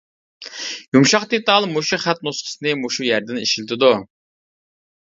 يۇمشاق دېتال مۇشۇ خەت نۇسخىسىنى مۇشۇ يەردىن ئىشلىتىدۇ.